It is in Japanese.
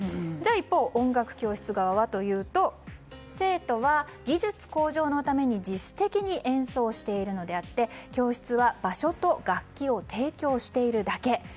一方、音楽教室側はというと生徒は、技術向上のために自主的に演奏しているのであって教室は場所と楽器を提供しているだけ。